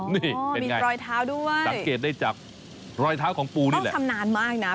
นี่เป็นอย่างไรสังเกตได้จากรอยเท้าของปูนี่แหละอ๋อมีรอยเท้าด้วย